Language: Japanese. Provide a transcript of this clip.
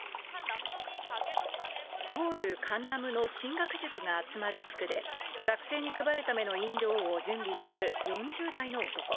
ソウル・カンナムの進学塾が集まる地区で、学生に配るための飲料を準備する４０代の男。